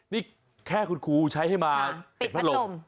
นี่แค่คุณครูใช้ให้มาเป็นพัดลม